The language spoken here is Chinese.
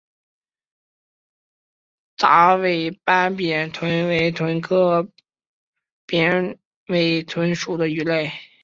杂斑扁尾鲀为鲀科扁尾鲀属的鱼类。